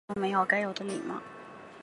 一点都没有该有的礼貌